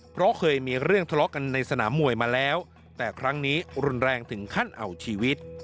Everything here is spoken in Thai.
เพราะเคยมีเรื่องทะเลาะกันในสนามมวยมาแล้วแต่ครั้งนี้รุนแรงถึงขั้นเอาชีวิต